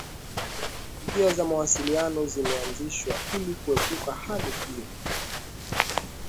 Njia za mawasiliano zimeanzishwa ili kuepuka hali hiyo